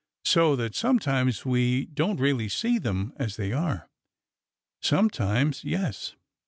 So that sometimes we don't really see them as they are?" '' Sometimes, 3^es."